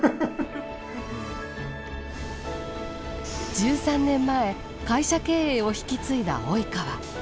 １３年前会社経営を引き継いだ及川。